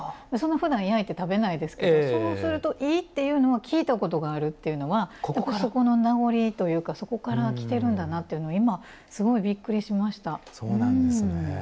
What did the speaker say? ふだん、焼いて食べないですけどそうすると、いいっていうのは聞いたことがあるっていうのはそこの名残というかそこからきてるんだなってびっくりしました。